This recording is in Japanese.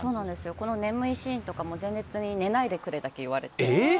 この眠いシーンとかも前日に寝ないでくれだけ言われて。